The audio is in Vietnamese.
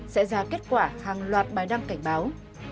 sẽ ra kết quả hàng loạt bài đăng cảnh báo